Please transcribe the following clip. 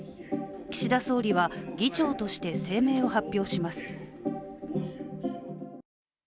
岸田総理は議長として声明を発表します。